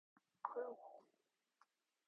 그렇군.